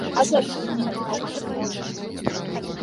Адказу адтуль не было больш за год.